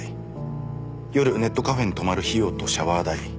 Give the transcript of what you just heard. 夜ネットカフェに泊まる費用とシャワー代。